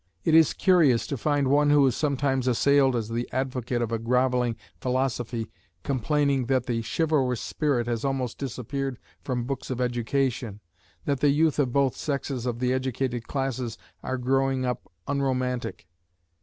It is curious to find one who is sometimes assailed as the advocate of a grovelling philosophy complaining that the chivalrous spirit has almost disappeared from books of education, that the youth of both sexes of the educated classes are growing up unromantic.